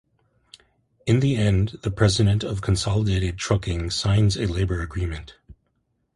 In the end the President of Consolidated Trucking signs a labor agreement.